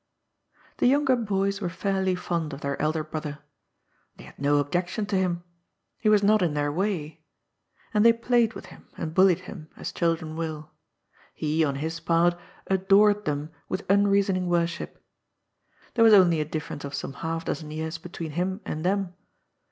The younger boys were fairly fond of their elder broth 2 18 GOD'S FOOL. er. They had no objection to him. He was not in their way. And they played with him, and bullied him, as chil dren will. He, on his part, adored them with unreasoning worship. There was only a difference of some half dozen years between him and them.